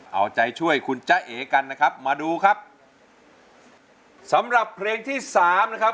เอาใจช่วยคุณจ๊ะเอ๋กันนะครับมาดูครับสำหรับเพลงที่สามนะครับ